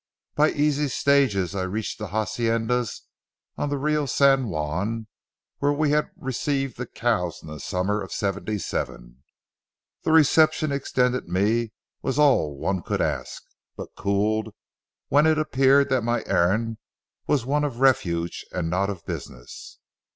By easy stages, I reached the haciendas on the Rio San Juan where we had received the cows in the summer of '77. The reception extended me was all one could ask, but cooled when it appeared that my errand was one of refuge and not of business.